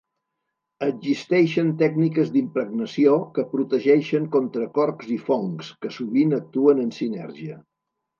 Existeixen tècniques d'impregnació que protegeixen contra corcs i fongs, que sovint actuen en sinergia.